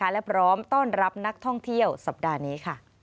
และพร้อมต้อนรับนักท่องเที่ยวสัปดาห์นี้